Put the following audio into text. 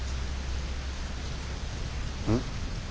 うん？